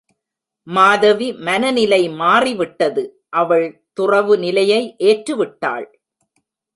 மாதவி மனநிலை மாறிவிட்டது அவள் துறவு நிலையை ஏற்று விட்டாள்.